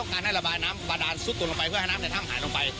การให้ระบายน้ำบาดานซุดตัวลงไปเพื่อให้น้ำในถ้ำหายลงไป